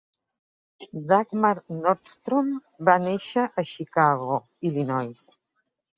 Dagmar Nordstrom va néixer a Chicago, Illinois.